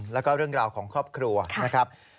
แล้วก็เรื่องราวของครอบครัวนะครับ